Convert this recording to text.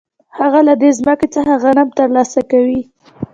هغه له دې ځمکې څخه غنم ترلاسه کوي